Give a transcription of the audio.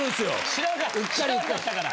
知らんかったから。